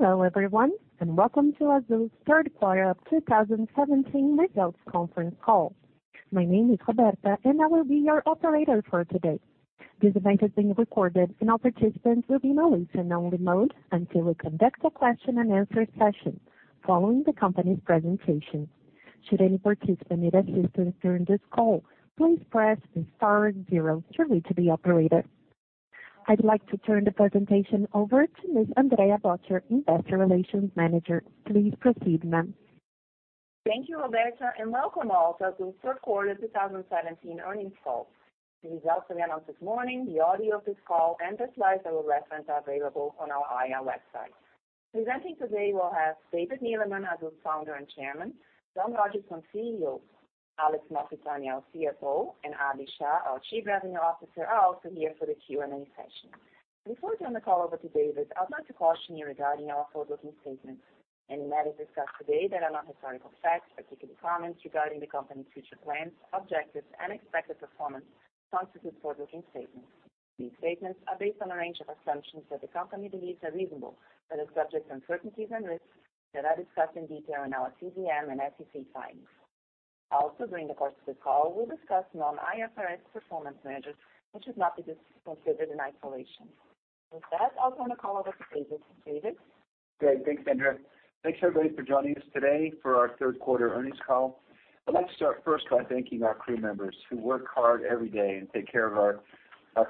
Hello, everyone, and welcome to Azul's third quarter of 2017 results conference call. My name is Roberta, and I will be your operator for today. This event is being recorded, and all participants will be in a listen-only mode until we conduct a question-and-answer session following the company's presentation. Should any participant need assistance during this call, please press star zero to reach the operator. I'd like to turn the presentation over to Ms. Andrea Ferreira, Investor Relations Manager. Please proceed, ma'am. Thank you, Roberta, and welcome all to Azul's third quarter 2017 earnings call. The results were announced this morning. The audio of this call and the slides that we'll reference are available on our IR website. Presenting today, we'll have David Neeleman, Azul's Founder and Chairman. John Rodgerson, CEO. Alex Malfitani, our CFO, and Abhi Shah, our Chief Revenue Officer, are also here for the Q&A session. Before I turn the call over to David, I'd like to caution you regarding our forward-looking statements. Any matters discussed today that are not historical facts, particularly comments regarding the company's future plans, objectives, and expected performance constitute forward-looking statements. These statements are based on a range of assumptions that the company believes are reasonable, but are subject to uncertainties and risks that are discussed in detail in our CVM and SEC filings. During the course of this call, we'll discuss non-IFRS performance measures, which should not be considered in isolation. With that, I'll turn the call over to David. David? Great. Thanks, Andrea. Thanks, everybody, for joining us today for our third quarter earnings call. I'd like to start first by thanking our crew members who work hard every day and take care of our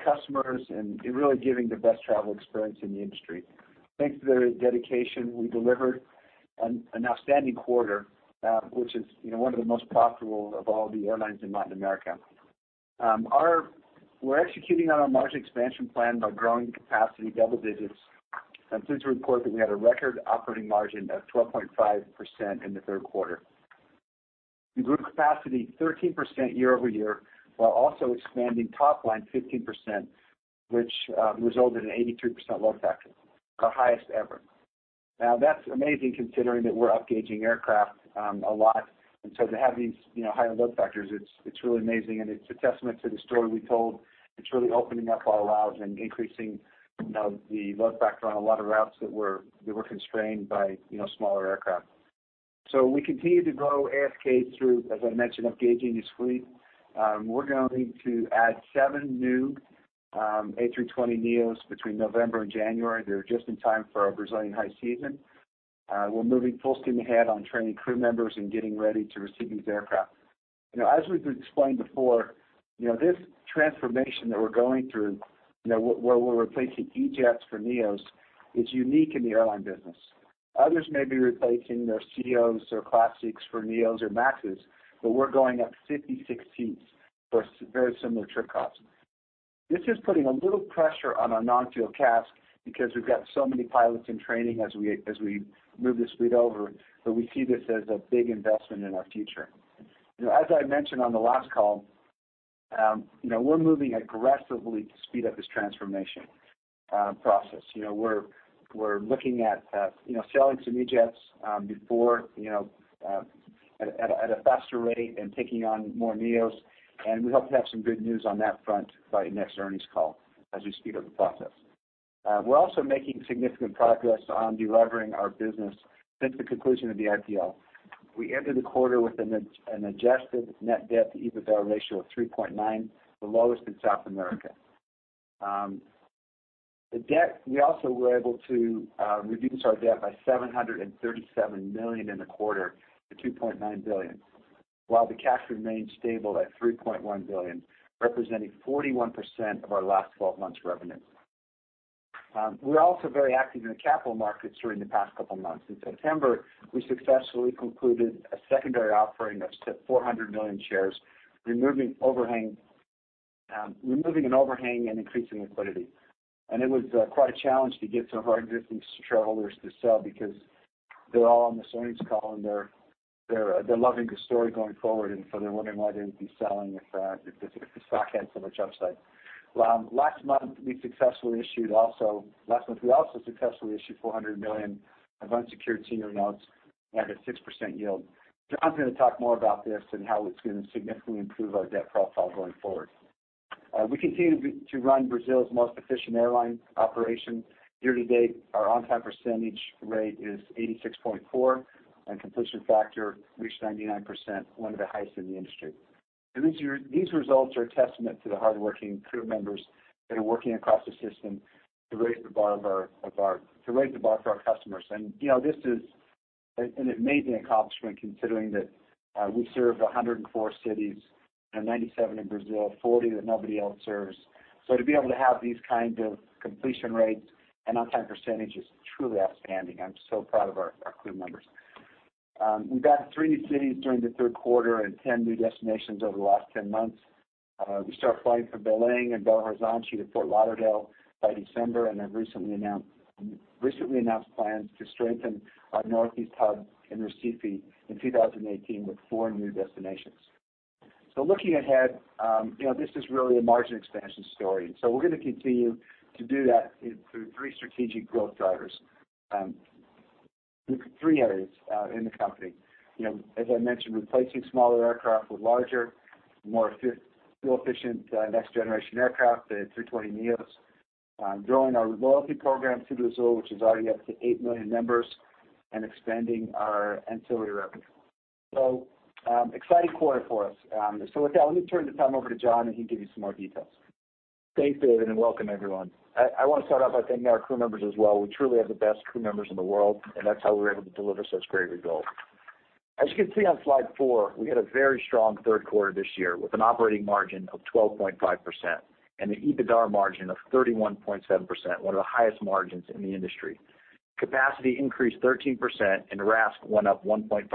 customers and in really giving the best travel experience in the industry. Thanks to their dedication, we delivered an outstanding quarter, which is one of the most profitable of all the airlines in Latin America. We're executing on our margin expansion plan by growing capacity double digits. I'm pleased to report that we had a record operating margin of 12.5% in the third quarter. We grew capacity 13% year-over-year, while also expanding top line 15%, which resulted in 83% load factor, our highest ever. That's amazing considering that we're up-gauging aircraft a lot, and so to have these higher load factors, it's really amazing, and it's a testament to the story we told. It's really opening up our routes and increasing the load factor on a lot of routes that were constrained by smaller aircraft. We continue to grow ASK through, as I mentioned, up-gauging this fleet. We're going to add seven new A320neos between November and January. They're just in time for our Brazilian high season. We're moving full steam ahead on training crew members and getting ready to receive these aircraft. As we've explained before, this transformation that we're going through, where we're replacing E-Jets for neos, is unique in the airline business. Others may be replacing their E1s or Classics for neos or MAXs. We're going up 56 seats for very similar trip costs. This is putting a little pressure on our non-fuel CASK because we've got so many pilots in training as we move this fleet over. We see this as a big investment in our future. As I mentioned on the last call, we're moving aggressively to speed up this transformation process. We're looking at selling some E-Jets at a faster rate and taking on more neos. We hope to have some good news on that front by next earnings call as we speed up the process. We're also making significant progress on de-levering our business since the conclusion of the IPO. We entered the quarter with an adjusted net debt-EBITDA ratio of 3.9, the lowest in South America. We also were able to reduce our debt by 737 million in the quarter to 2.9 billion, while the cash remained stable at 3.1 billion, representing 41% of our last 12 months revenue. We're also very active in the capital markets during the past couple of months. In September, we successfully concluded a secondary offering of 400 million shares, removing an overhang and increasing liquidity. It was quite a challenge to get some of our existing shareholders to sell because they're all on this earnings call, and they're loving the story going forward, and so they're wondering why they would be selling if the stock had so much upside. Last month we also successfully issued 400 million of unsecured senior notes at a 6% yield. John's going to talk more about this and how it's going to significantly improve our debt profile going forward. We continue to run Brazil's most efficient airline operation. Year to date, our on-time percentage rate is 86.4. Completion factor reached 99%, one of the highest in the industry. These results are a testament to the hardworking crew members that are working across the system to raise the bar for our customers. This is an amazing accomplishment considering that we serve 104 cities, 97 in Brazil, 40 that nobody else serves. To be able to have these kinds of completion rates and on-time percentage is truly outstanding. I'm so proud of our crew members. We've added three new cities during the third quarter and 10 new destinations over the last 10 months. We start flying from Belém and Belo Horizonte to Fort Lauderdale by December and have recently announced plans to strengthen our Northeast hub in Recife in 2018 with four new destinations. Looking ahead, this is really a margin expansion story. We're going to continue to do that through three strategic growth drivers, three areas in the company. As I mentioned, replacing smaller aircraft with larger, more fuel-efficient, next generation aircraft, the A320neos, growing our loyalty program, TudoAzul, which is already up to 8 million members, and expanding our ancillary revenue. Exciting quarter for us. With that, let me turn the time over to John, and he can give you some more details. Thanks, David, and welcome everyone. I want to start off by thanking our crew members as well. We truly have the best crew members in the world, and that's how we're able to deliver such great results. As you can see on slide four, we had a very strong third quarter this year with an operating margin of 12.5% and an EBITDA margin of 31.7%, one of the highest margins in the industry. Capacity increased 13%, RASK went up 1.5%,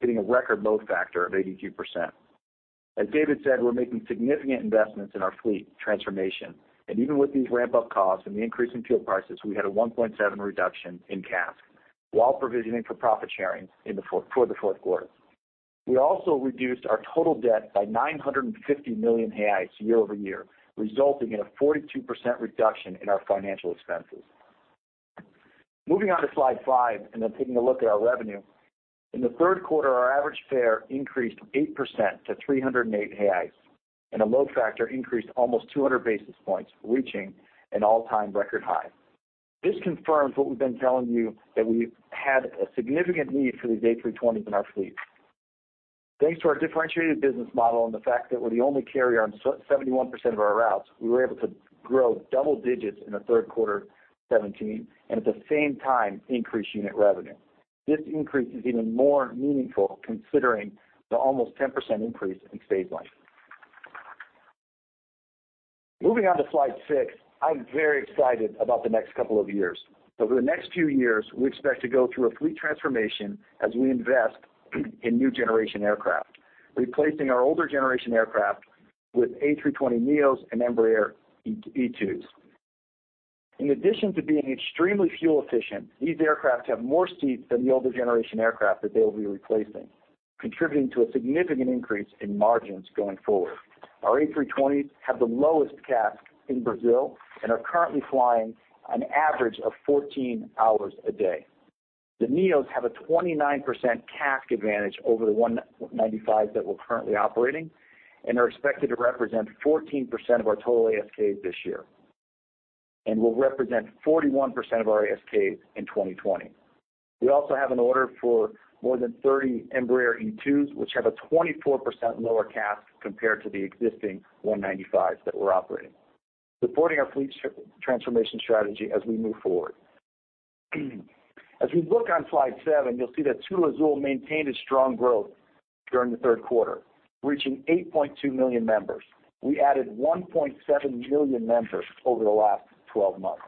hitting a record load factor of 83%. As David said, we're making significant investments in our fleet transformation, and even with these ramp-up costs and the increase in fuel prices, we had a 1.7% reduction in CASK while provisioning for profit-sharing for the fourth quarter. We also reduced our total debt by 950 million reais year-over-year, resulting in a 42% reduction in our financial expenses. Moving on to slide five, taking a look at our revenue. In the third quarter, our average fare increased 8% to 308 reais, and the load factor increased almost 200 basis points, reaching an all-time record high. This confirms what we've been telling you, that we had a significant need for these A320s in our fleet. Thanks to our differentiated business model and the fact that we're the only carrier on 71% of our routes, we were able to grow double digits in the third quarter 2017, at the same time, increase unit revenue. This increase is even more meaningful considering the almost 10% increase in stage length. Moving on to slide six, I'm very excited about the next couple of years. Over the next few years, we expect to go through a fleet transformation as we invest in new generation aircraft, replacing our older generation aircraft with A320neos and Embraer E2s. In addition to being extremely fuel efficient, these aircraft have more seats than the older generation aircraft that they'll be replacing, contributing to a significant increase in margins going forward. Our A320s have the lowest CASK in Brazil and are currently flying an average of 14 hours a day. The neos have a 29% CASK advantage over the 195s that we're currently operating and are expected to represent 14% of our total ASK this year, and will represent 41% of our ASK in 2020. We also have an order for more than 30 Embraer E2s, which have a 24% lower CASK compared to the existing 195s that we're operating, supporting our fleet transformation strategy as we move forward. As we look on slide seven, you'll see that TudoAzul maintained its strong growth during the third quarter, reaching 8.2 million members. We added 1.7 million members over the last 12 months.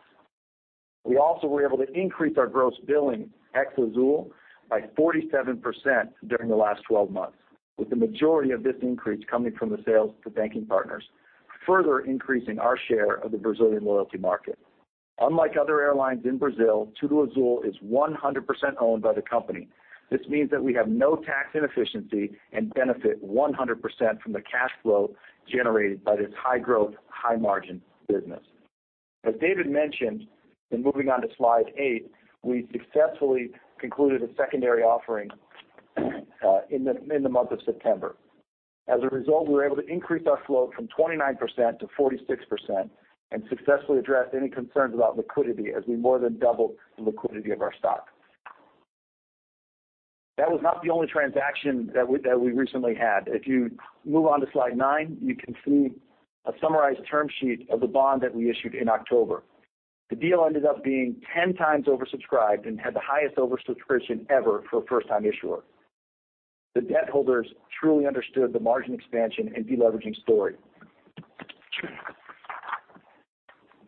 We also were able to increase our gross billing at Azul by 47% during the last 12 months, with the majority of this increase coming from the sales to banking partners, further increasing our share of the Brazilian loyalty market. Unlike other airlines in Brazil, TudoAzul is 100% owned by the company. This means that we have no tax inefficiency and benefit 100% from the cash flow generated by this high growth, high margin business. As David mentioned, in moving on to slide eight, we successfully concluded a secondary offering in the month of September. As a result, we were able to increase our float from 29% to 46% and successfully address any concerns about liquidity as we more than doubled the liquidity of our stock. That was not the only transaction that we recently had. If you move on to slide nine, you can see a summarized term sheet of the bond that we issued in October. The deal ended up being 10 times oversubscribed and had the highest oversubscription ever for a first-time issuer. The debt holders truly understood the margin expansion and de-leveraging story.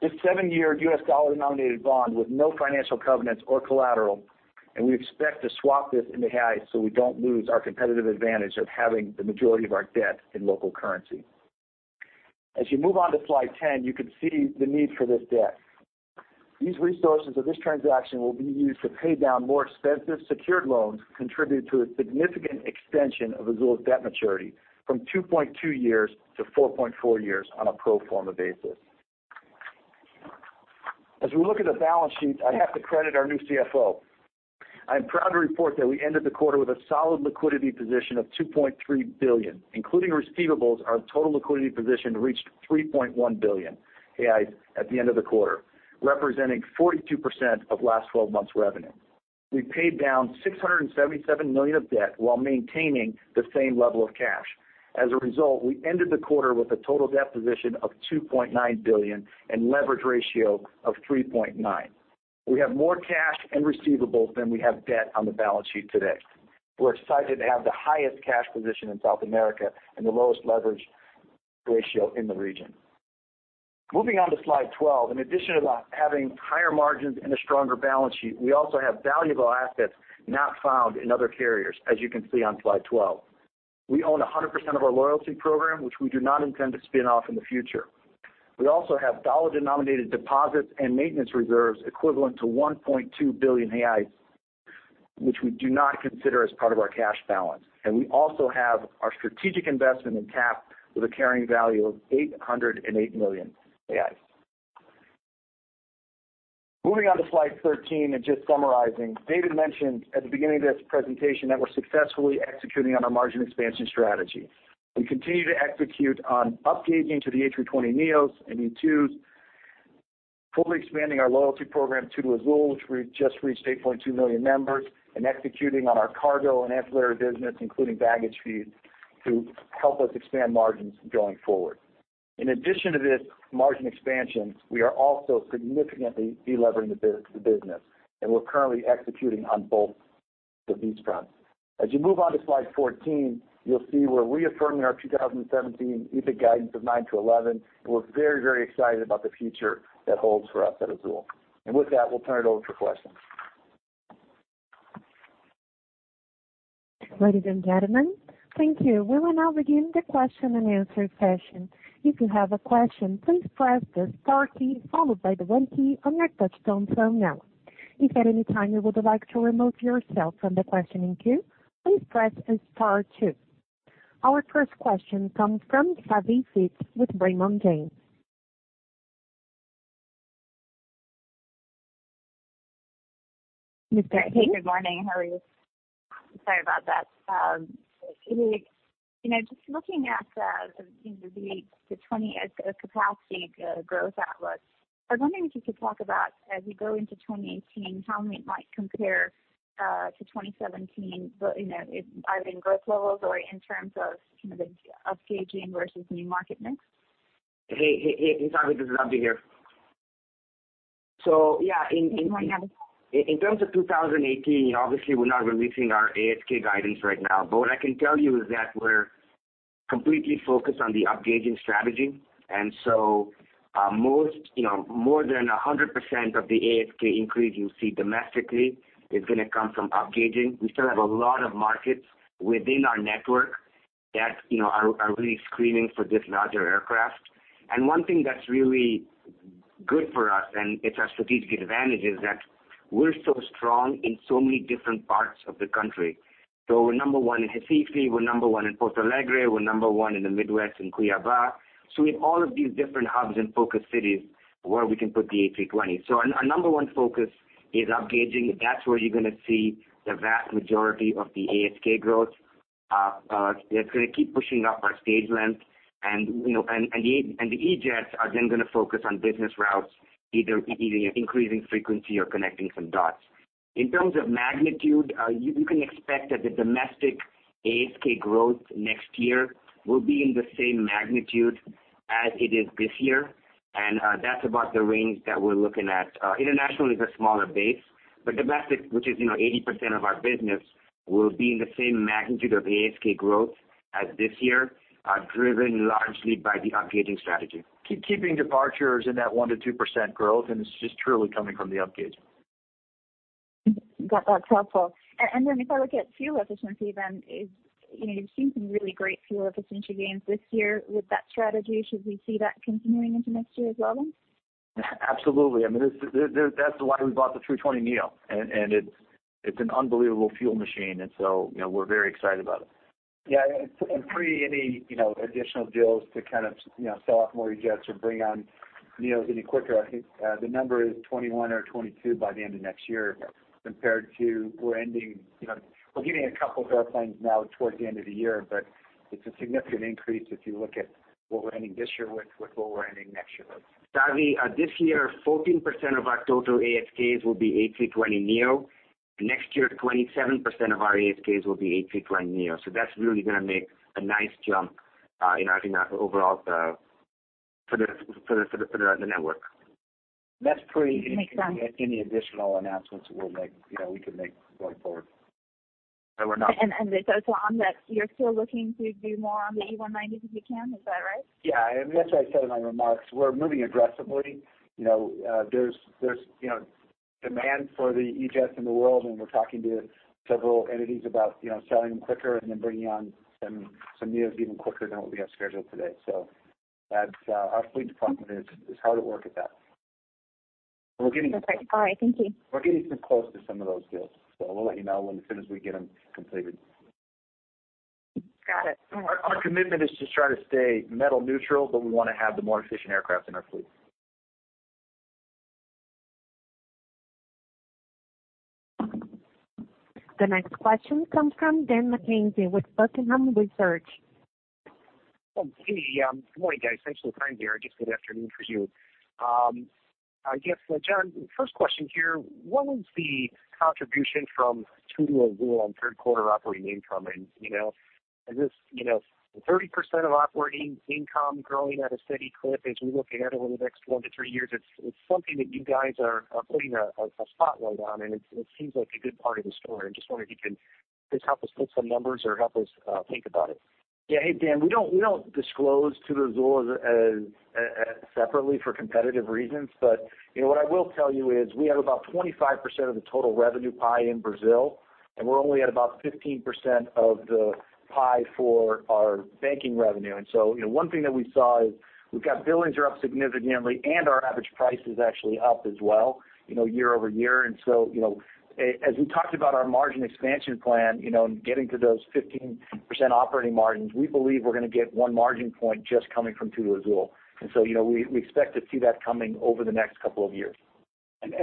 This seven-year U.S. dollar denominated bond with no financial covenants or collateral, and we expect to swap this into reais so we don't lose our competitive advantage of having the majority of our debt in local currency. As you move on to slide 10, you can see the need for this debt. These resources of this transaction will be used to pay down more expensive secured loans, contributing to a significant extension of Azul's debt maturity from 2.2 years to 4.4 years on a pro forma basis. As we look at the balance sheet, I have to credit our new CFO. I'm proud to report that we ended the quarter with a solid liquidity position of 2.3 billion. Including receivables, our total liquidity position reached 3.1 billion at the end of the quarter, representing 42% of last 12 months revenue. We paid down 677 million of debt while maintaining the same level of cash. As a result, we ended the quarter with a total debt position of 2.9 billion and leverage ratio of 3.9. We have more cash and receivables than we have debt on the balance sheet today. We're excited to have the highest cash position in South America and the lowest leverage ratio in the region. Moving on to slide 12. In addition to having higher margins and a stronger balance sheet, we also have valuable assets not found in other carriers, as you can see on slide 12. We own 100% of our loyalty program, which we do not intend to spin off in the future. We also have dollar-denominated deposits and maintenance reserves equivalent to 1.2 billion reais. Which we do not consider as part of our cash balance. We also have our strategic investment in TAP with a carrying value of 808 million reais. Moving on to slide 13 and just summarizing. David mentioned at the beginning of this presentation that we're successfully executing on our margin expansion strategy. We continue to execute on upgauging to the A320neos and E2s, fully expanding our loyalty program, TudoAzul, which we just reached 8.2 million members, and executing on our cargo and ancillary business, including baggage fees to help us expand margins going forward. In addition to this margin expansion, we are also significantly de-levering the business, and we're currently executing on both of these fronts. As you move on to slide 14, you'll see we're reaffirming our 2017 EBIT guidance of 9%-11%. We're very excited about the future that holds for us at Azul. With that, we'll turn it over for questions. Ladies and gentlemen, thank you. We will now begin the question-and-answer session. If you have a question, please press the star key followed by the one key on your touchtone phone now. If at any time you would like to remove yourself from the questioning queue, please press star two. Our first question comes from Savi Syth with Raymond James. Hey, good morning. How are you? Sorry about that. Just looking at the capacity growth outlook, I was wondering if you could talk about as we go into 2018, how it might compare to 2017, either in growth levels or in terms of upgauging versus new market mix. Hey, Savi. Good to have you here. You can hear me now? In terms of 2018, obviously we're not releasing our ASK guidance right now, but what I can tell you is that we're completely focused on the upgauging strategy. More than 100% of the ASK increase you see domestically is going to come from upgauging. We still have a lot of markets within our network that are really screaming for this larger aircraft. One thing that's really good for us, and it's our strategic advantage, is that we're so strong in so many different parts of the country. We're number one in Recife, we're number one in Porto Alegre, we're number one in the Midwest, in Cuiaba. In all of these different hubs and focus cities where we can put the A320. Our number one focus is upgauging. That's where you're going to see the vast majority of the ASK growth. It's going to keep pushing up our stage length and the E-Jets are then going to focus on business routes, either increasing frequency or connecting some dots. In terms of magnitude, you can expect that the domestic ASK growth next year will be in the same magnitude as it is this year, and that's about the range that we're looking at. International is a smaller base, but domestic, which is 80% of our business, will be in the same magnitude of ASK growth as this year, driven largely by the upgauging strategy. Keeping departures in that 1%-2% growth, and it's just truly coming from the upgauging. That's helpful. If I look at fuel efficiency, you've seen some really great fuel efficiency gains this year with that strategy. Should we see that continuing into next year as well? Absolutely. That's why we bought the A320neo, and it's an unbelievable fuel machine. We're very excited about it. Yeah. Pre any additional deals to sell off more E-Jets or bring on neos any quicker, I think the number is 21 or 22 by the end of next year compared to We're getting a couple of airplanes now towards the end of the year, but it's a significant increase if you look at what we're ending this year with, what we're ending next year with. Savi, this year, 14% of our total ASKs will be A320neo. Next year, 27% of our ASKs will be A320neo. That's really going to make a nice jump for the network. Makes sense. That's pre any additional announcements we could make going forward. On that, you're still looking to do more on the E190s if you can. Is that right? Yeah. That's why I said in my remarks, we're moving aggressively. There's demand for the E-Jets in the world, and we're talking to several entities about selling them quicker and then bringing on some neos even quicker than what we have scheduled today. Our fleet department is hard at work at that. Okay. All right, thank you. We're getting close to some of those deals, so we'll let you know as soon as we get them completed. Got it. Our commitment is to try to stay metal neutral, but we want to have the more efficient aircraft in our fleet. The next question comes from Dan McKenzie with Buckingham Research. Hey. Good morning, guys. Actually, it's prime here, just good afternoon for you. I guess, John, first question here. What was the contribution from TudoAzul on third quarter operating income? Is this 30% of operating income growing at a steady clip as we look ahead over the next one to three years? It's something that you guys are putting a spotlight on, and it seems like a good part of the story. I just wonder if you can just help us put some numbers or help us think about it. Yeah. Hey, Dan, we don't disclose TudoAzul separately for competitive reasons. What I will tell you is we have about 25% of the total revenue pie in Brazil, and we're only at about 15% of the pie for our banking revenue. One thing that we saw is we've got billings are up significantly and our average price is actually up as well year-over-year. As we talked about our margin expansion plan and getting to those 15% operating margins, we believe we're going to get one margin point just coming from TudoAzul. We expect to see that coming over the next couple of years.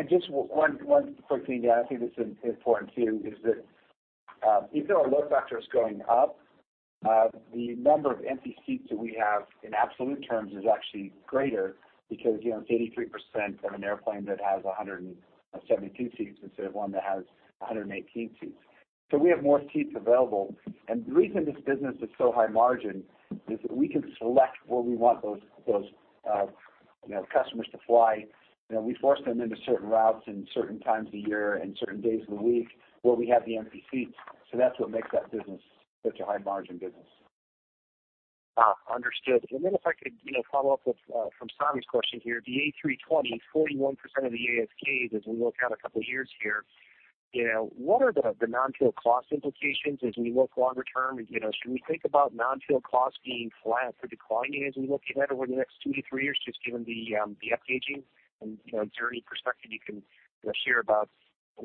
Just one quick thing, Dan. I think this is important too, is that even though our load factor is going up, the number of empty seats that we have in absolute terms is actually greater because it's 83% of an airplane that has 172 seats instead of one that has 118 seats. We have more seats available. The reason this business is so high margin is that we can select where we want those customers to fly. We force them into certain routes and certain times of year and certain days of the week where we have the empty seats. That's what makes that business such a high-margin business. Understood. If I could follow up with, from Savi's question here. The A320, 41% of the ASK as we look out a couple of years here. What are the non-fuel cost implications as we look longer term? Should we think about non-fuel costs being flat or declining as we look ahead over the next two to three years, just given the aging? Is there any perspective you can share about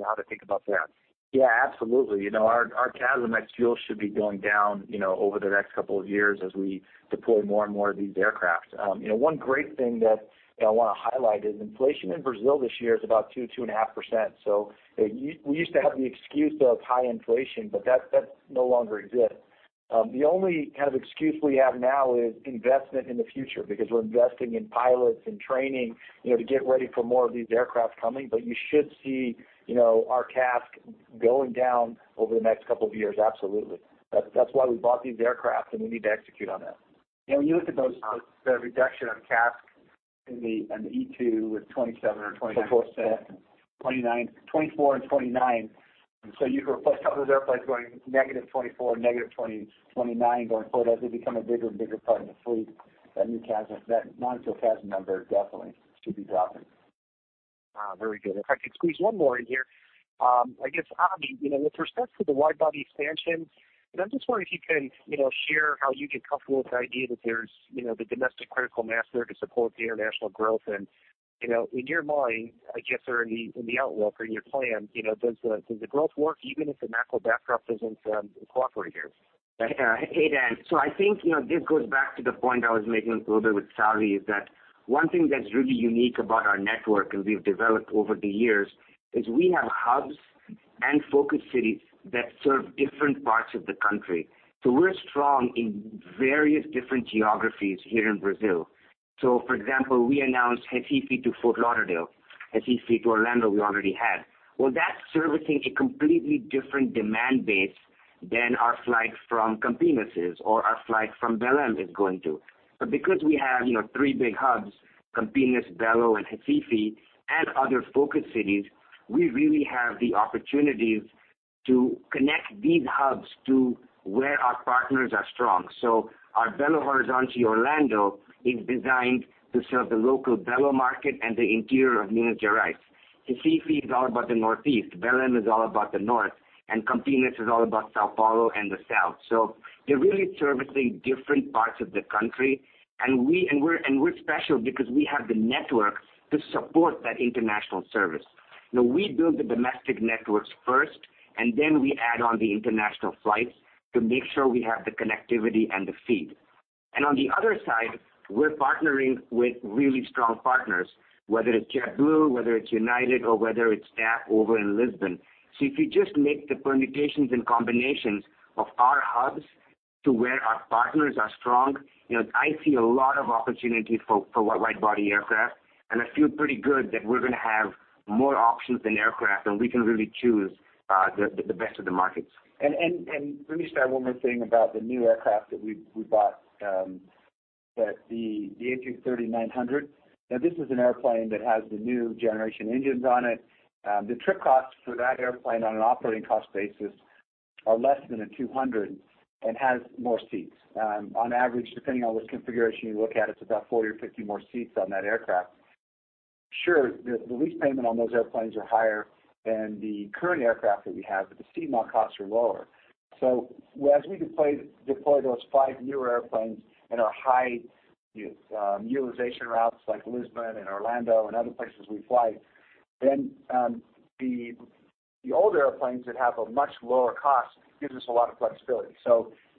how to think about that? Yeah, absolutely. Our CASM ex-fuel should be going down over the next couple of years as we deploy more and more of these aircraft. One great thing that I want to highlight is inflation in Brazil this year is about 2%-2.5%. We used to have the excuse of high inflation, but that no longer exists. The only kind of excuse we have now is investment in the future because we're investing in pilots and training to get ready for more of these aircraft coming. You should see our CASK going down over the next couple of years. Absolutely. That's why we bought these aircraft, and we need to execute on that. When you look at the reduction of CASK in the E2 with 27 or 29- 24, 27. 24 and 29. You could replace those airplanes going -24%, -29% going forward as they become a bigger and bigger part of the fleet. That non-fuel CASM number definitely should be dropping. Very good. If I could squeeze one more in here. I guess, Abhi, with respect to the wide-body expansion, I'm just wondering if you can share how you get comfortable with the idea that there's the domestic critical mass there to support the international growth. In your mind, I guess, or in the outlook or in your plan, does the growth work even if the macro backdrop doesn't cooperate here? Hey, Dan. I think this goes back to the point I was making a little bit with Savi, is that one thing that's really unique about our network and we've developed over the years is we have hubs and focus cities that serve different parts of the country. We're strong in various different geographies here in Brazil. For example, we announced Recife to Fort Lauderdale. Recife to Orlando, we already had. That's servicing a completely different demand base than our flight from Campinas is or our flight from Belém is going to. Because we have three big hubs, Campinas, Belo, and Recife, and other focus cities, we really have the opportunities to connect these hubs to where our partners are strong. Our Belo Horizonte-Orlando is designed to serve the local Belo market and the interior of Minas Gerais. Recife is all about the Northeast, Belém is all about the North, and Campinas is all about São Paulo and the South. They're really servicing different parts of the country. We're special because we have the network to support that international service. We build the domestic networks first, and then we add on the international flights to make sure we have the connectivity and the feed. On the other side, we're partnering with really strong partners, whether it's JetBlue, whether it's United, or whether it's TAP over in Lisbon. If you just make the permutations and combinations of our hubs to where our partners are strong, I see a lot of opportunity for wide-body aircraft, and I feel pretty good that we're going to have more options than aircraft, and we can really choose the best of the markets. Let me just add one more thing about the new aircraft that we bought, the A330-900. This is an airplane that has the new generation engines on it. The trip costs for that airplane on an operating cost basis are less than a 200 and has more seats. On average, depending on which configuration you look at, it's about 40 or 50 more seats on that aircraft. The lease payment on those airplanes are higher than the current aircraft that we have, but the seat mile costs are lower. As we deploy those five newer airplanes in our high utilization routes like Lisbon and Orlando and other places we fly, then the old airplanes that have a much lower cost gives us a lot of flexibility.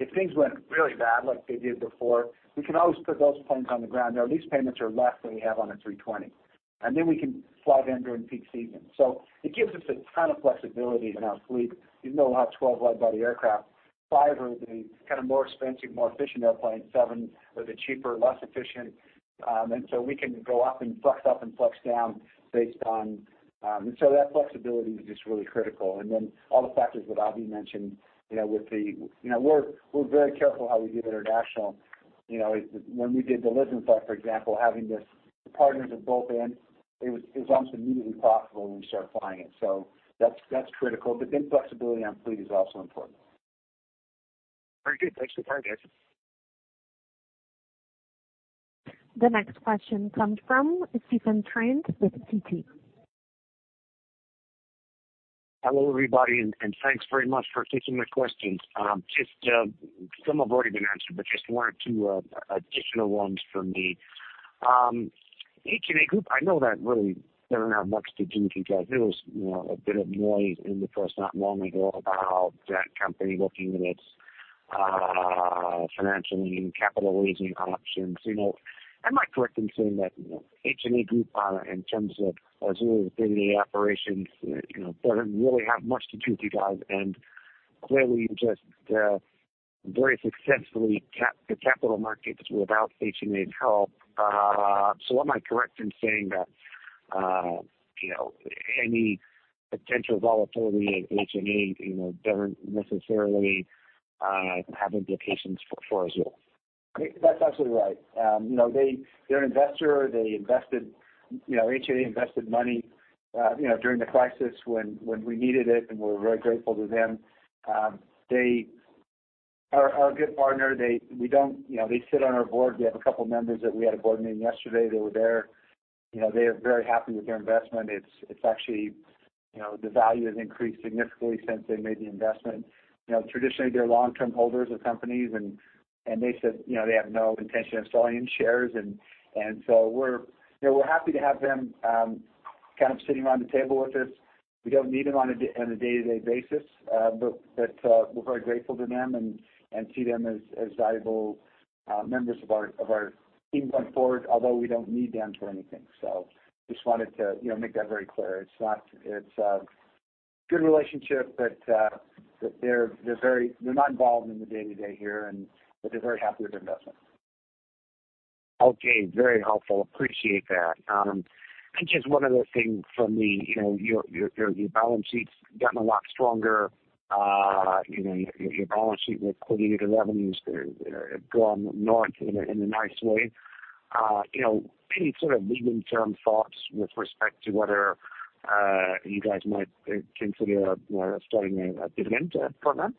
If things went really bad like they did before, we can always put those planes on the ground. Their lease payments are less than we have on a 320. We can fly them during peak season. It gives us a ton of flexibility in our fleet. Even though we have 12 wide-body aircraft, five are the more expensive, more efficient airplanes, seven are the cheaper, less efficient. We can go up and flex up and flex down. That flexibility is just really critical. All the factors that Abhi mentioned, we're very careful how we do international. When we did the Lisbon flight, for example, having the partners at both ends, it was almost immediately profitable when we started flying it. That's critical. Flexibility on fleet is also important. Very good. Thanks for the color, guys. The next question comes from Stephen Trent with Citigroup. Hello, everybody, thanks very much for taking my questions. Just some have already been answered, but just one or two additional ones from me. HNA Group, I know that really doesn't have much to do with you guys. There was a bit of noise in the press not long ago about that company looking at its financial and capital raising options. Am I correct in saying that HNA Group, in terms of Azul's day-to-day operations, doesn't really have much to do with you guys, and clearly you just very successfully tapped the capital markets without HNA's help. Am I correct in saying that any potential volatility at HNA doesn't necessarily have implications for Azul? That is absolutely right. They are an investor. HNA invested money during the crisis when we needed it, and we are very grateful to them. They are a good partner. They sit on our board. We have a couple members that we had a board meeting yesterday, they were there. They are very happy with their investment. The value has increased significantly since they made the investment. Traditionally, they are long-term holders of companies, and they said they have no intention of selling shares, and so we are happy to have them sitting around the table with us. We do not need them on a day-to-day basis. We are very grateful to them and see them as valuable members of our team going forward, although we do not need them for anything. Just wanted to make that very clear. It is a good relationship, but they are not involved in the day-to-day here, but they are very happy with their investment. Okay. Very helpful. Appreciate that. Just one other thing from me. Your balance sheet has gotten a lot stronger. Your balance sheet liquidity, the revenues have gone north in a nice way. Any sort of medium-term thoughts with respect to whether you guys might consider starting a dividend program?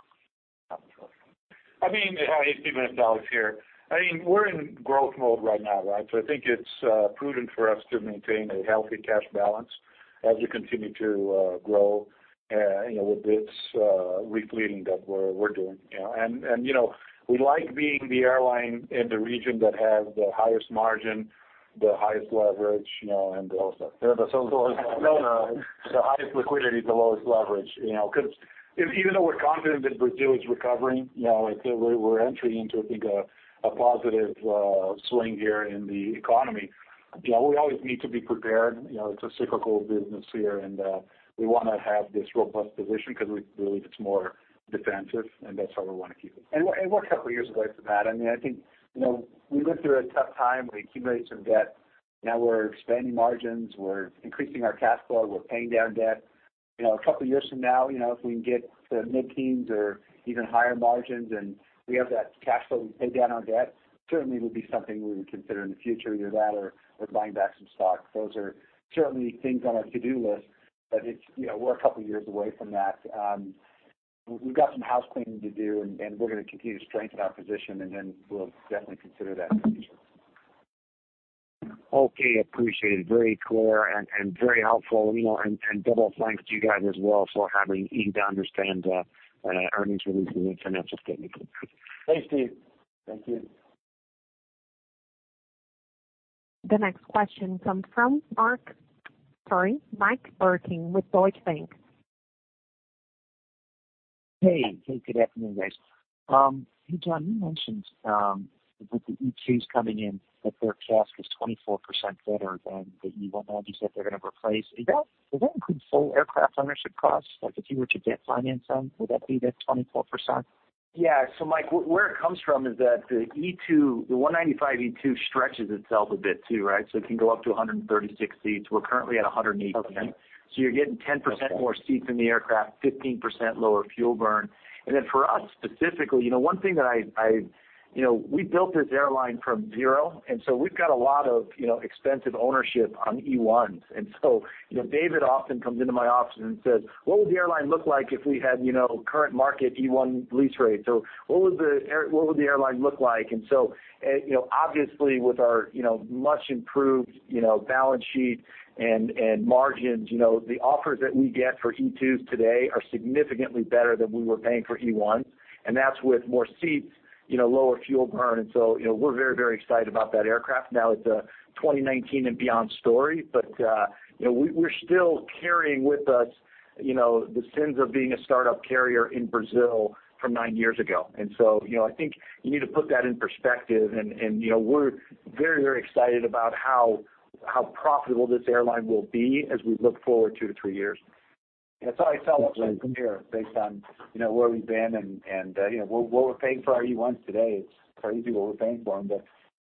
I mean, it is Alex Malfitani here. We are in growth mode right now, right? I think it is prudent for us to maintain a healthy cash balance as we continue to grow with this re-fleeting that we are doing. We like being the airline in the region that has the highest margin, the highest liquidity, the lowest leverage. Even though we are confident that Brazil is recovering, we are entering into, I think, a positive swing here in the economy. We always need to be prepared. It is a cyclical business here, and we want to have this robust position because we believe it is more defensive, and that is how we want to keep it. We are a couple years away from that. I think we went through a tough time. We accumulated some debt. Now we are expanding margins. We are increasing our cash flow. We're paying down debt. A couple years from now, if we can get to mid-teens or even higher margins, and we have that cash flow to pay down our debt, certainly would be something we would consider in the future. Either that or buying back some stock. Those are certainly things on our to-do list. We're a couple years away from that. We've got some housecleaning to do, and we're going to continue to strengthen our position, and then we'll definitely consider that in the future. Okay. Appreciated. Very clear and very helpful. Double thanks to you guys as well for having easy-to-understand earnings releases and financial statements. Thanks, Steve. Thank you. The next question comes from, sorry, Michael Lorkowski with Deutsche Bank. Hey. Good afternoon, guys. Hey, John, you mentioned with the E2s coming in that their cost is 24% better than the E190s that they're going to replace. Does that include full aircraft ownership costs? Like if you were to debt finance them, would that be the 24%? Yeah. Mike, where it comes from is that the E2, the E195-E2 stretches itself a bit too, right? It can go up to 136 seats. We're currently at 118. Okay. You're getting 10% more seats in the aircraft, 15% lower fuel burn. For us specifically, one thing, we built this airline from zero, we've got a lot of expensive ownership on E1s. David often comes into my office and says, "What would the airline look like if we had current market E1 lease rates? What would the airline look like?" Obviously with our much-improved balance sheet and margins, the offers that we get for E2s today are significantly better than we were paying for E1s, that's with more seats, lower fuel burn. We're very excited about that aircraft. Now it's a 2019 and beyond story, we're still carrying with us the sins of being a startup carrier in Brazil from nine years ago. I think you need to put that in perspective, and we're very excited about how profitable this airline will be as we look forward two to three years. That's right. That's how I felt when I came here based on where we've been, and what we're paying for our E1s today, it's crazy what we're paying for them.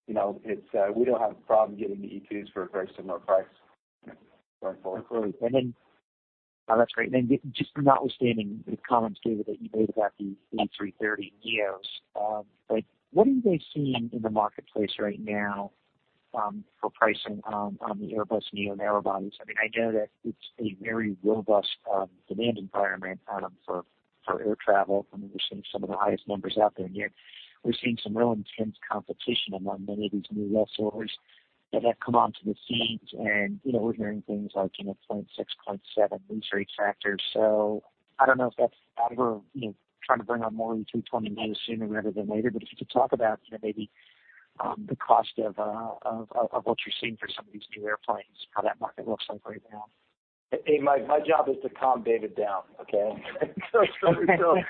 We don't have a problem getting the E2s for a very similar price going forward. Agreed. That's great. Notwithstanding the comments, David, that you made about the A330neos. What are you guys seeing in the marketplace right now for pricing on the Airbus neo narrow bodies? I know that it's a very robust demand environment for air travel. We're seeing some of the highest numbers out there, yet we're seeing some real intense competition among many of these new lessors that have come onto the scene. We're hearing things like .6, .7 lease rate factors. I don't know if that's out of trying to bring on more A320neos sooner rather than later. If you could talk about maybe the cost of what you're seeing for some of these new airplanes, how that market looks like right now. Hey, Mike, my job is to calm David down, okay? We're going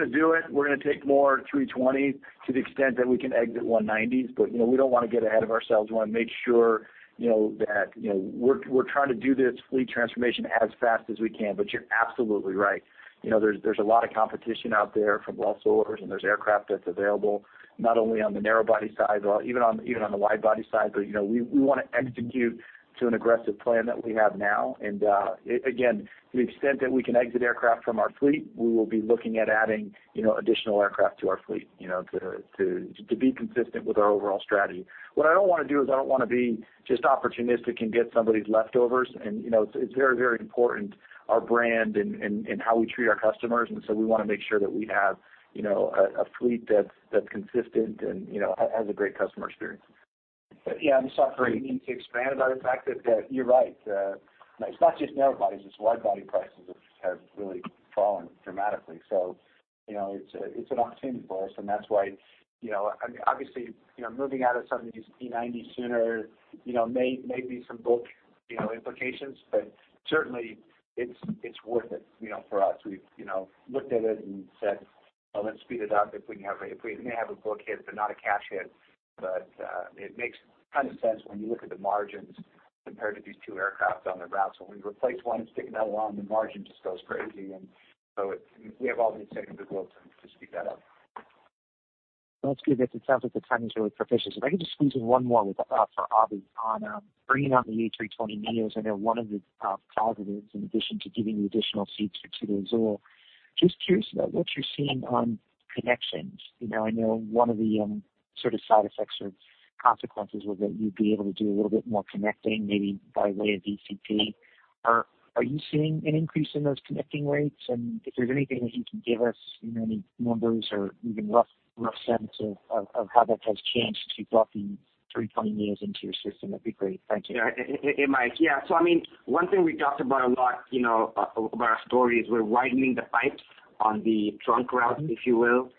to do it. We're going to take more A320 to the extent that we can exit E190s. We don't want to get ahead of ourselves. We want to make sure that we're trying to do this fleet transformation as fast as we can. You're absolutely right. There's a lot of competition out there from lessors, and there's aircraft that's available, not only on the narrow body side, even on the wide body side. We want to execute to an aggressive plan that we have now. Again, to the extent that we can exit aircraft from our fleet, we will be looking at adding additional aircraft to our fleet, to be consistent with our overall strategy. What I don't want to do is I don't want to be just opportunistic and get somebody's leftovers. It's very important, our brand and how we treat our customers. We want to make sure that we have a fleet that's consistent and has a great customer experience. Yeah. I'm sorry, you need me to expand on the fact that you're right. It's not just narrow bodies, it's wide body prices which have really fallen dramatically. It's an opportunity for us, and that's why, obviously, moving out of some of these E190s sooner may be some book implications. Certainly it's worth it for us. We've looked at it and said, "Oh, let's speed it up if we may have a book hit, but not a cash hit." It makes ton of sense when you look at the margins compared to these two aircraft on the route. When you replace one and stick another one, the margin just goes crazy. We have all the incentive in the world to speed that up. That's good. It sounds like the timing's really proficient. If I could just squeeze in one more for Abhi on bringing on the A320neos. I know one of the positives, in addition to giving you additional seats to Azul. Just curious about what you're seeing on connections. I know one of the sort of side effects or consequences was that you'd be able to do a little bit more connecting, maybe by way of ECT. Are you seeing an increase in those connecting rates? If there's anything that you can give us, any numbers or even rough sense of how that has changed as you've brought the A320neos into your system, that'd be great. Thank you. Hey, Mike. One thing we talked about a lot, about our story is we're widening the pipes on the trunk route, if you will.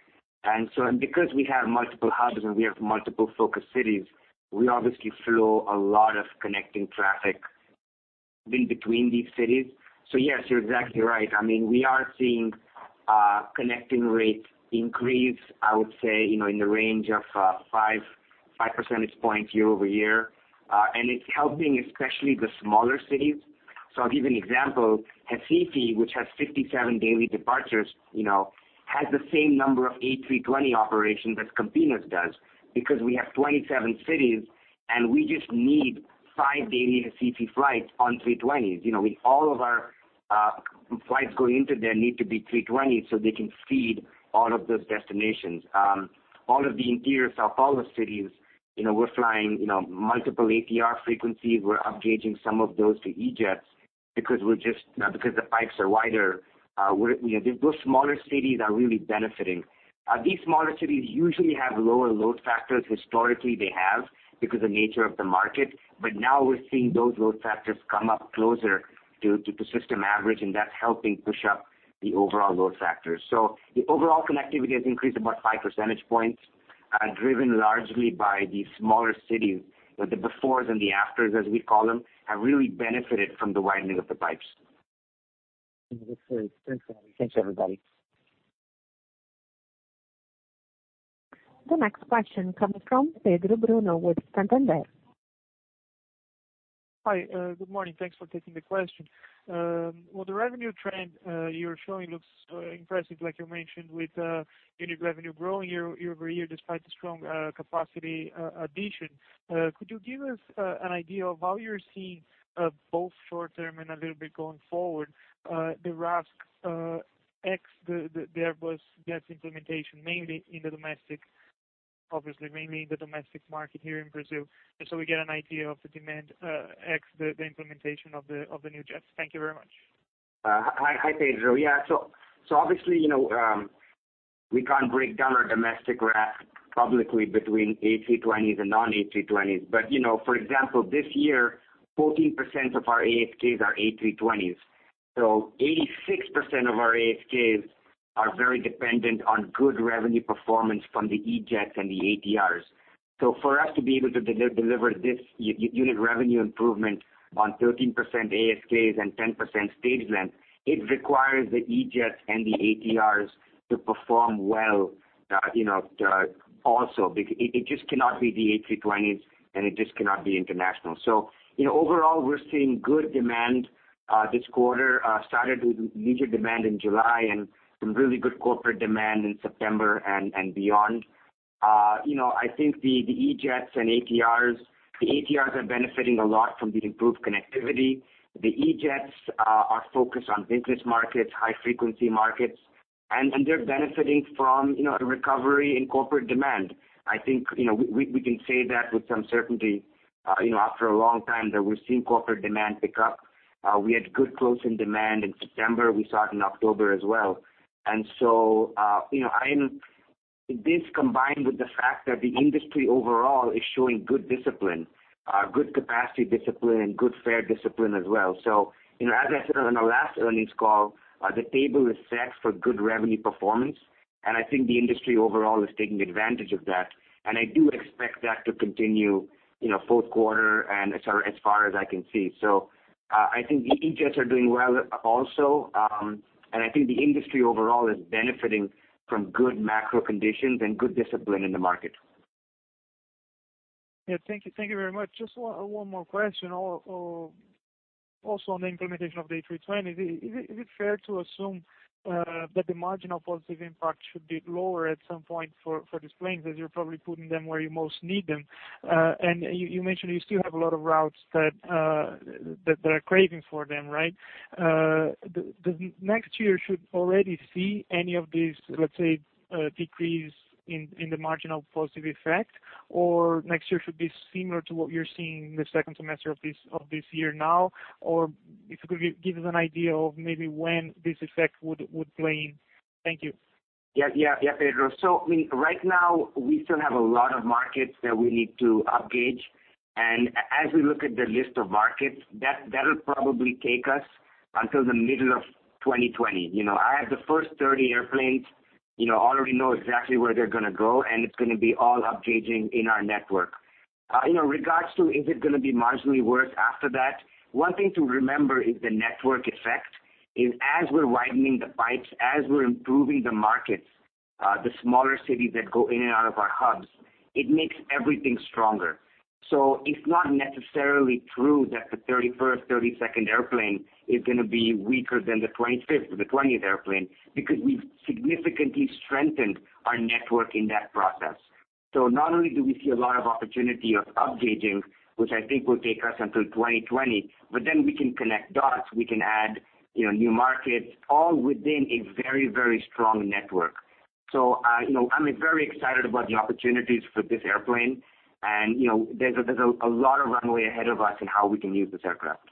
Because we have multiple hubs and we have multiple focus cities, we obviously flow a lot of connecting traffic in between these cities. Yes, you're exactly right. We are seeing connecting rates increase, I would say, in the range of five percentage points year-over-year. It's helping especially the smaller cities. I'll give you an example. Recife, which has 57 daily departures, has the same number of A320 operations as Campinas does because we have 27 cities, and we just need five daily Recife flights on 320s. All of our flights going into there need to be 320, so they can feed all of those destinations. All of the interior São Paulo cities, we're flying multiple ATR frequencies. We're upgauging some of those to E-jets because the pipes are wider. Those smaller cities are really benefiting. These smaller cities usually have lower load factors. Historically, they have because of the nature of the market. Now we're seeing those load factors come up closer to the system average, and that's helping push up the overall load factors. The overall connectivity has increased about five percentage points, driven largely by the smaller cities. The befores and the afters, as we call them, have really benefited from the widening of the pipes. That's great. Thanks, Abhi. Thanks, everybody. The next question comes from Pedro Bruno with Santander. Hi. Good morning. Thanks for taking the question. Well, the revenue trend you're showing looks impressive, like you mentioned, with unit revenue growing year-over-year despite the strong capacity addition. Could you give us an idea of how you're seeing both short term and a little bit going forward, the RASK ex the Airbus jets implementation, obviously mainly in the domestic market here in Brazil, just so we get an idea of the demand ex the implementation of the new jets. Thank you very much. Hi, Pedro. Yeah. Obviously, we can't break down our domestic RASK publicly between A320s and non A320s. For example, this year, 14% of our ASK are A320s. 86% of our ASK are very dependent on good revenue performance from the E-jets and the ATRs. For us to be able to deliver this unit revenue improvement on 13% ASK and 10% stage length, it requires the E-jets and the ATRs to perform well also. It just cannot be the A320s, and it just cannot be international. Overall, we're seeing good demand this quarter. Started with leisure demand in July and some really good corporate demand in September and beyond. I think the E-jets and ATRs, the ATRs are benefiting a lot from the improved connectivity. The E-jets are focused on business markets, high-frequency markets, and they're benefiting from a recovery in corporate demand. I think we can say that with some certainty, after a long time, that we're seeing corporate demand pick up. We had good closing demand in September. We saw it in October as well. This combined with the fact that the industry overall is showing good discipline, good capacity discipline, and good fare discipline as well. As I said on our last earnings call, the table is set for good revenue performance. I think the industry overall is taking advantage of that, and I do expect that to continue fourth quarter and as far as I can see. I think the E-jets are doing well also, and I think the industry overall is benefiting from good macro conditions and good discipline in the market. Yeah. Thank you very much. Just one more question, also on the implementation of the A320. Is it fair to assume that the marginal positive impact should be lower at some point for these planes, as you're probably putting them where you most need them? You mentioned you still have a lot of routes that are craving for them, right? Does next year should already see any of these, let's say, decrease in the marginal positive effect, or next year should be similar to what you're seeing in the second semester of this year now? If you could give us an idea of maybe when this effect would play in. Thank you. Pedro. Right now, we still have a lot of markets that we need to upgauge, and as we look at the list of markets, that'll probably take us until the middle of 2020. I have the first 30 airplanes, already know exactly where they're going to go, and it's going to be all upgauging in our network. In regards to is it going to be marginally worse after that, one thing to remember is the network effect, is as we're widening the pipes, as we're improving the markets, the smaller cities that go in and out of our hubs, it makes everything stronger. It's not necessarily true that the 31st, 32nd airplane is going to be weaker than the 25th or the 20th airplane because we've significantly strengthened our network in that process. Not only do we see a lot of opportunity of upgauging, which I think will take us until 2020, but then we can connect dots, we can add new markets, all within a very, very strong network. I'm very excited about the opportunities for this airplane, and there's a lot of runway ahead of us in how we can use this aircraft.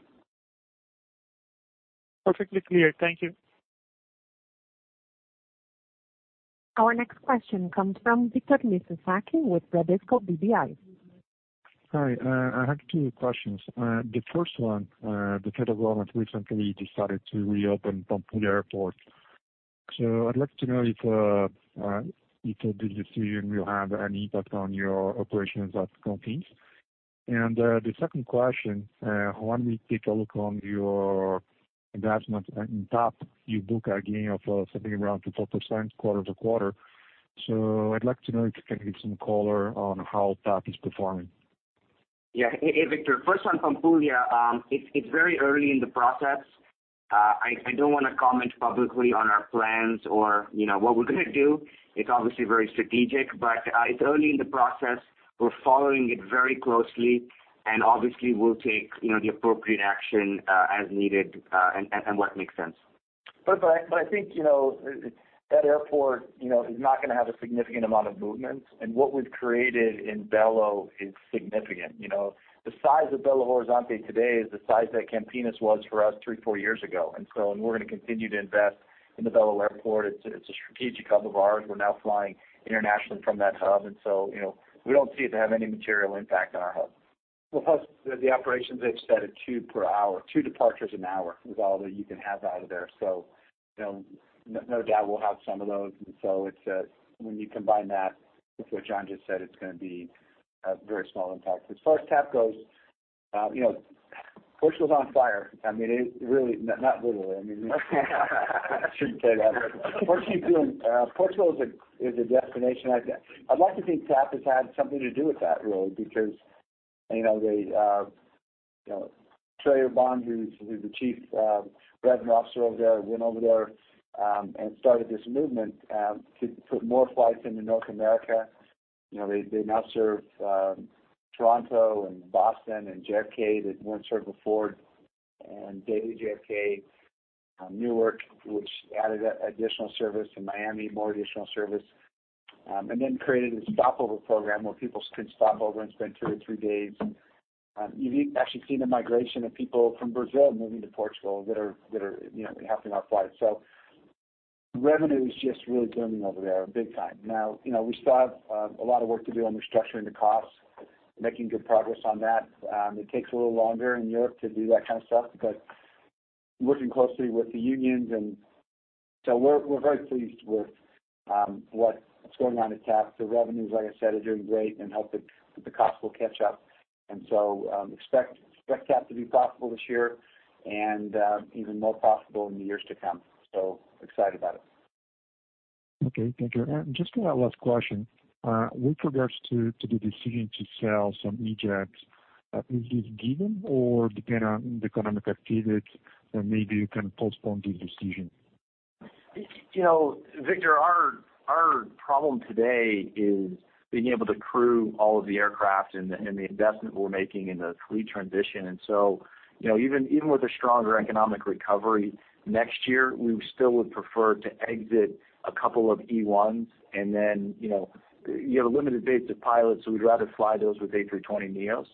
Perfectly clear. Thank you. Our next question comes from Victor Mizrachi with Bradesco BBI. Hi. I have two questions. The first one, the federal government recently decided to reopen Pampulha Airport. I'd like to know if this decision will have any impact on your operations at Campinas. The second question, when we take a look on your investment in TAP, you book a gain of something around 4% quarter-to-quarter. I'd like to know if you can give some color on how TAP is performing. Yeah. Hey, Victor Mizrachi. First one, Pampulha. It's very early in the process. I don't want to comment publicly on our plans or what we're going to do. It's obviously very strategic, it's early in the process. We're following it very closely, we'll take the appropriate action as needed and what makes sense. I think that airport is not going to have a significant amount of movement, what we've created in Belo is significant. The size of Belo Horizonte today is the size that Campinas was for us 3, 4 years ago. We're going to continue to invest in the Belo Airport. It's a strategic hub of ours. We're now flying internationally from that hub, we don't see it to have any material impact on our hub. Plus the operations they've said are 2 per hour, 2 departures an hour is all that you can have out of there. No doubt we'll have some of those, when you combine that with what John Rodgerson just said, it's going to be a very small impact. As far as TAP goes, Portugal's on fire. Not literally. I shouldn't say that. Portugal is a destination. I'd like to think TAP has had something to do with that, really, because Trey Urbahn, who's the Chief Revenue Officer over there, went over there and started this movement to put more flights into North America. They now serve Toronto and Boston and JFK. They didn't serve before. Daily JFK, Newark, which added additional service, Miami, more additional service. Created a stopover program where people can stop over and spend 2 or 3 days. You've actually seen the migration of people from Brazil moving to Portugal that are helping our flights. Revenue is just really booming over there big time. Now, we still have a lot of work to do on restructuring the costs, making good progress on that. It takes a little longer in Europe to do that kind of stuff because working closely with the unions. We're very pleased with what's going on at TAP. The revenues, like I said, are doing great and hope that the costs will catch up. Expect TAP to be profitable this year and even more profitable in the years to come, so excited about it. Okay, thank you. Just a last question. With regards to the decision to sell some E-jets, is this given or depend on the economic activities, or maybe you can postpone this decision? Victor, our problem today is being able to crew all of the aircraft and the investment we're making in the fleet transition. Even with a stronger economic recovery next year, we still would prefer to exit a couple of E1s, and then you have a limited base of pilots, so we'd rather fly those with A320neos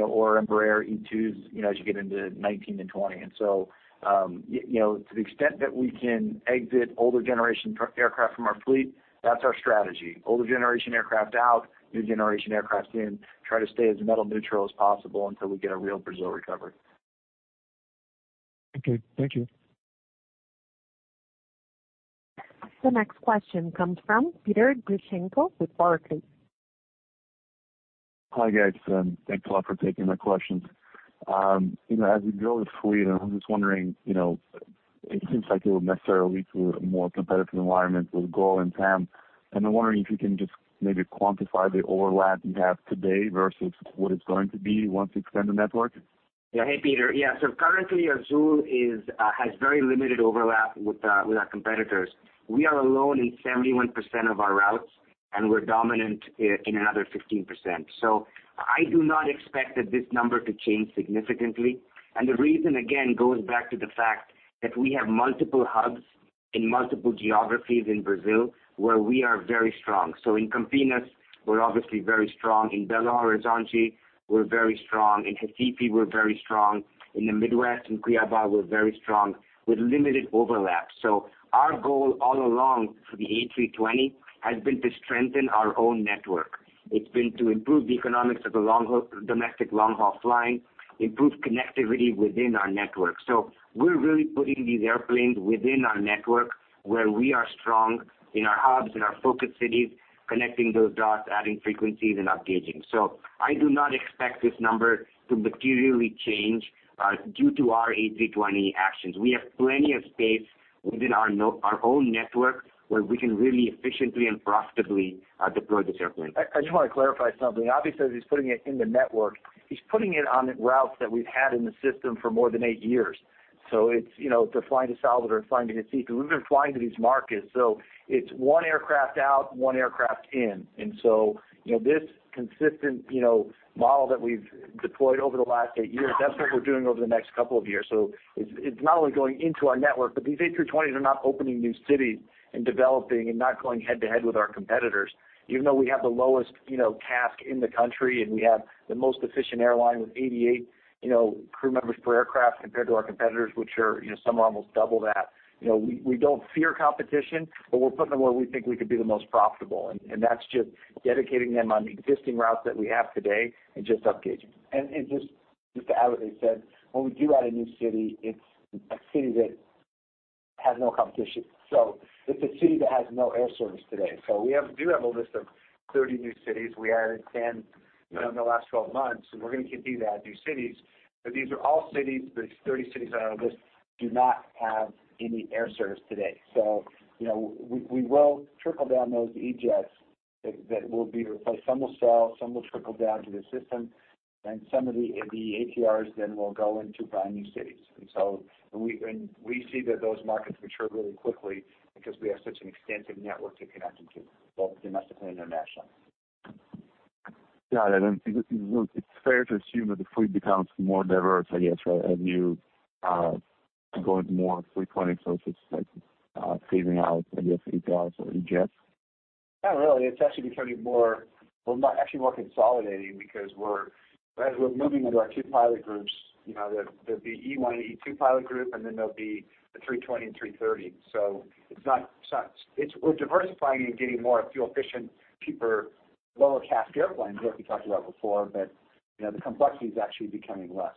or Embraer E2s as you get into 2019 and 2020. To the extent that we can exit older generation aircraft from our fleet, that's our strategy. Older generation aircraft out, new generation aircraft in, try to stay as metal neutral as possible until we get a real Brazil recovery. Okay. Thank you. The next question comes from Petr Grishchenko with Barclays. Hi, guys. Thanks a lot for taking my questions. As you grow the fleet, I was just wondering, it seems like it will necessarily lead to a more competitive environment with GOL and TAM. I'm wondering if you can just maybe quantify the overlap you have today versus what it's going to be once you extend the network. Hey, Petr. Currently Azul has very limited overlap with our competitors. We are alone in 71% of our routes, and we're dominant in another 15%. I do not expect that this number to change significantly. The reason again goes back to the fact that we have multiple hubs in multiple geographies in Brazil where we are very strong. In Campinas, we're obviously very strong. In Belo Horizonte, we're very strong. In Recife, we're very strong. In the Midwest, in Cuiaba, we're very strong with limited overlap. Our goal all along for the A320 has been to strengthen our own network. It's been to improve the economics of the domestic long-haul flying, improve connectivity within our network. We're really putting these airplanes within our network where we are strong in our hubs, in our focus cities, connecting those dots, adding frequencies, and up gauging. I do not expect this number to materially change due to our A320 actions. We have plenty of space within our own network where we can really efficiently and profitably deploy this airplane. I just want to clarify something. Obviously, as he's putting it in the network, he's putting it on routes that we've had in the system for more than eight years. It's to flying to Salvador and flying to Recife, and we've been flying to these markets. It's one aircraft out, one aircraft in. This consistent model that we've deployed over the last eight years, that's what we're doing over the next couple of years. It's not only going into our network, but these A320s are not opening new cities and developing and not going head-to-head with our competitors. Even though we have the lowest CASK in the country, and we have the most efficient airline with 88 crew members per aircraft compared to our competitors, which are some are almost double that. We don't fear competition, but we're putting them where we think we could be the most profitable, and that's just dedicating them on existing routes that we have today and just up gauging. Just to add what he said, when we do add a new city, it's a city that has no competition. It's a city that has no air service today. We do have a list of 30 new cities. We added 10 in the last 12 months, and we're going to continue to add new cities. These are all cities, these 30 cities that are on our list do not have any air service today. We will trickle down those E-jets that will be replaced. Some will sell, some will trickle down to the system, and some of the ATRs will go into brand new cities. We see that those markets mature really quickly because we have such an extensive network to connect them to, both domestically and internationally. Got it. It's fair to assume that the fleet becomes more diverse, I guess, right? As you go into more A320s versus phasing out, I guess, ATRs or E-jets? Not really. It's actually becoming more consolidating because as we're moving into our two pilot groups, there'd be E1 and E2 pilot group, and then there'll be the 320 and 330. We're diversifying and getting more fuel efficient, cheaper, lower CASK airplanes like we talked about before. The complexity is actually becoming less.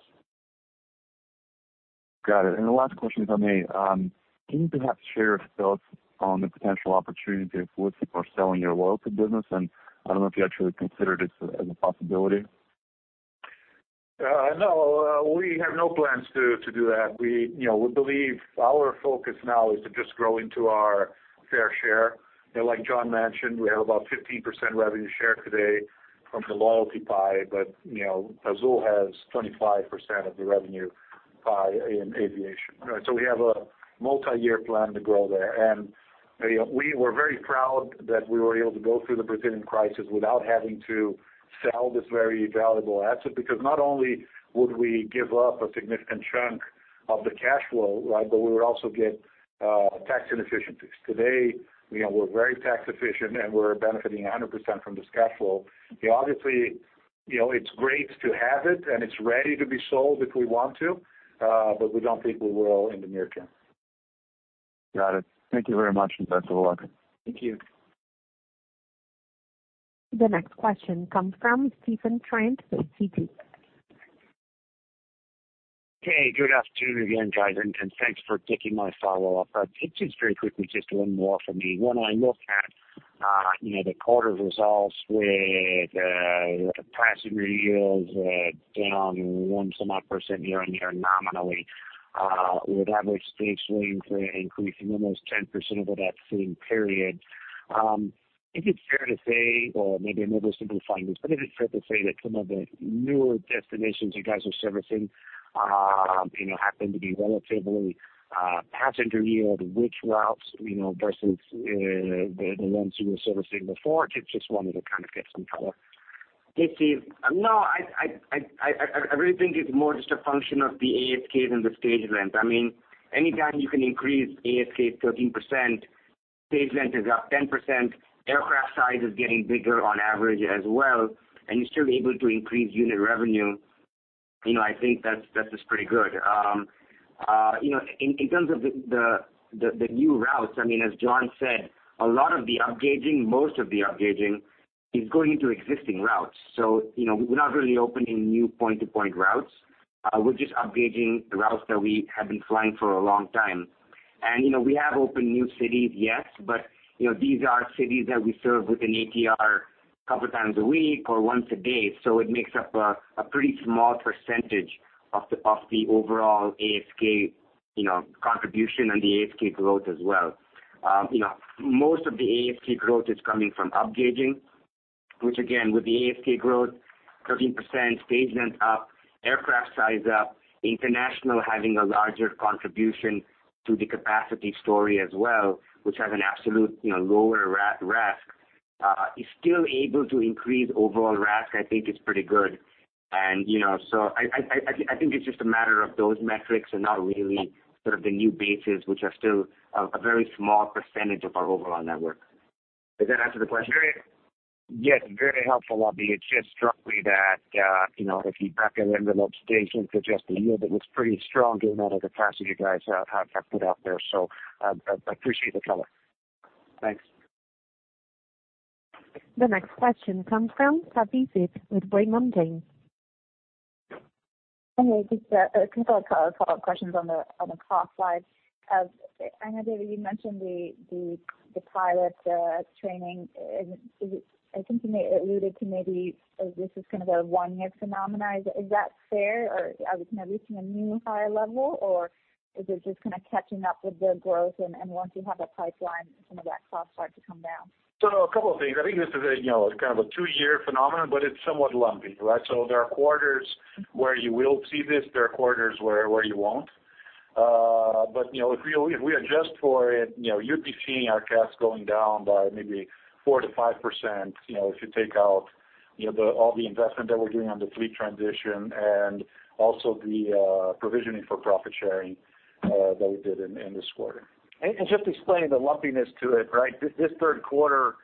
Got it. The last question from me. Can you perhaps share your thoughts on the potential opportunity of flirting or selling your loyalty business? I don't know if you actually considered it as a possibility. No. We have no plans to do that. We believe our focus now is to just grow into our fair share. Like John mentioned, we have about 15% revenue share today from the loyalty pie, but Azul has 25% of the revenue pie in aviation. We have a multi-year plan to grow there. We were very proud that we were able to go through the Brazilian crisis without having to sell this very valuable asset because not only would we give up a significant chunk of the cash flow, but we would also get tax inefficiencies. Today, we're very tax efficient and we're benefiting 100% from this cash flow. Obviously, it's great to have it and it's ready to be sold if we want to, we don't think we will in the near term. Got it. Thank you very much. Best of luck. Thank you. The next question comes from Stephen Trent with Citi. Hey, good afternoon again, guys, and thanks for taking my follow-up. Just very quickly, just one more from me. When I look at the quarter results with the passenger yields down one some odd % year-over-year nominally, with average stage length increasing almost 10% over that same period. I think it's fair to say, or maybe I'm oversimplifying this, Is it fair to say that some of the newer destinations you guys are servicing happen to be relatively passenger yield rich routes versus the ones you were servicing before? Just wanted to kind of get some color. Hey, Steve. I really think it's more just a function of the ASK than the stage length. I mean, anytime you can increase ASK 13%, stage length is up 10%, aircraft size is getting bigger on average as well. You're still able to increase unit revenue, I think that's just pretty good. In terms of the new routes, as John said, a lot of the up gauging, most of the up gauging is going into existing routes. We're not really opening new point-to-point routes. We're just up gauging routes that we have been flying for a long time. We have opened new cities, yes. These are cities that we serve with an ATR couple times a week or once a day. It makes up a pretty small percentage of the overall ASK contribution and the ASK growth as well. Most of the ASK growth is coming from upgauging, which again, with the ASK growth, 13% stage length up, aircraft size up, international having a larger contribution to the capacity story as well, which has an absolute lower RASK. It is still able to increase overall RASK, I think it is pretty good. I think it is just a matter of those metrics and not really sort of the new bases, which are still a very small percentage of our overall network. Does that answer the question? Yes. Very helpful, Abhi. It just struck me that, if you back out the envelope stage into just the yield, it looks pretty strong given the amount of capacity you guys have put out there. I appreciate the color. Thanks. The next question comes from Savi with Raymond James. Hey, just a couple of follow-up questions on the cost side. I know, David, you mentioned the pilot training. I think you may have alluded to maybe this is kind of a one-year phenomenon. Is that fair, or are we now reaching a new higher level, or is it just kind of catching up with the growth, and once you have that pipeline, some of that cost starts to come down? A couple of things. I think this is kind of a two-year phenomenon, it's somewhat lumpy, right? There are quarters where you will see this, there are quarters where you won't. If we adjust for it, you'd be seeing our costs going down by maybe 4%-5%, if you take out all the investment that we're doing on the fleet transition and also the provisioning for profit sharing that we did in this quarter. Just explaining the lumpiness to it, right? This third quarter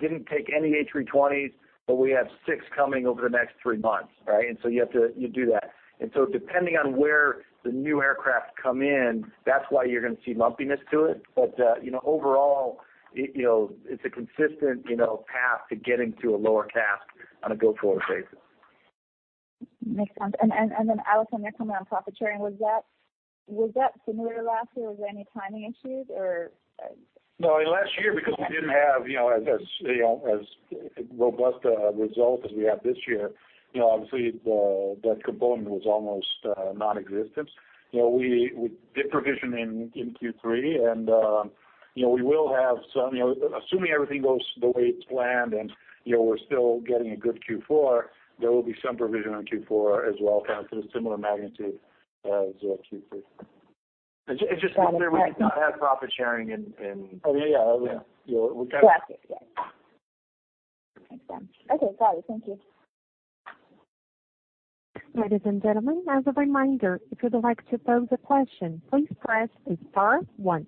didn't take any A320s, we have six coming over the next three months, right? You have to do that. Depending on where the new aircraft come in, that's why you're going to see lumpiness to it. Overall, it's a consistent path to getting to a lower cost on a go-forward basis. Makes sense. Alexandre, just on profit sharing, was that similar to last year? Was there any timing issues or? No. Last year, because we didn't have as robust a result as we have this year, obviously that component was almost non-existent. We did provision in Q3, we will have some assuming everything goes the way it's planned and we're still getting a good Q4, there will be some provision on Q4 as well, kind of to the similar magnitude as Q3. Just to be clear, we did not have profit sharing. Yeah. Got it. Yes. Makes sense. Okay, got it. Thank you. Ladies and gentlemen, as a reminder, if you would like to pose a question, please press star one.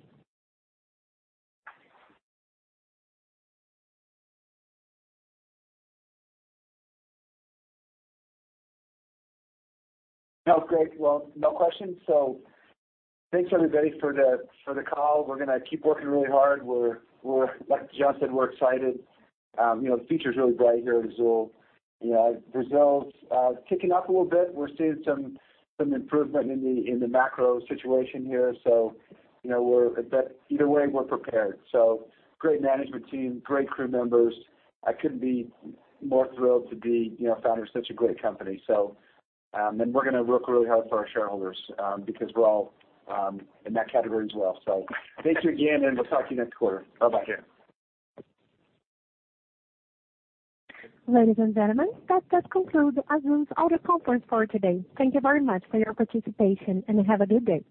Great. No questions. Thanks everybody for the call. We're going to keep working really hard. Like John said, we're excited. The future's really bright here at Azul. Brazil's kicking up a little bit. We're seeing some improvement in the macro situation here. Either way, we're prepared. Great management team, great crew members. I couldn't be more thrilled to be founder of such a great company. And we're going to work really hard for our shareholders, because we're all in that category as well. Thank you again, and we'll talk to you next quarter. Bye-bye. Take care. Ladies and gentlemen, that does conclude Azul's audio conference for today. Thank you very much for your participation, and have a good day.